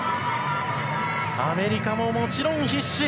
アメリカももちろん、必死。